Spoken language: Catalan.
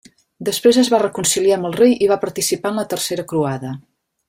Després es va reconciliar amb el rei i va participar en la Tercera Croada.